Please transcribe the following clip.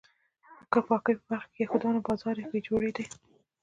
د پاکۍ په برخه کې د یهودیانو بازار بې جوړې دی.